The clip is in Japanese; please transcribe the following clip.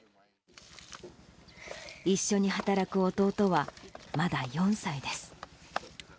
一緒に働く弟はまだ４歳です。